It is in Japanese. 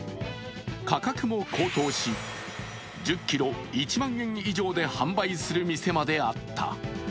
価格も高騰し、１０ｋｇ１万円以上で販売する店まであった。